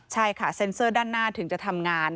ใช่ค่ะเซ็นเซอร์ด้านหน้าถึงจะทำงาน